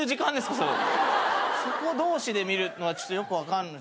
そこ同士で見るのはちょっとよく分かんない。